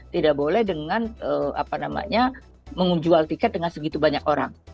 tidak boleh dengan apa namanya mengunjual tiket dengan segitu banyak orang